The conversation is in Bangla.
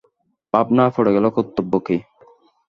ভাবনা পড়ে গেল, কর্তব্য কী।